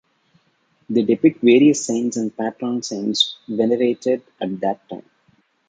They depict various saints and patron saints venerated at that time.